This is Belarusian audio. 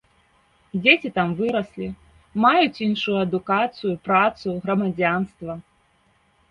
Дзеці там выраслі, маюць іншую адукацыю, працу, грамадзянства.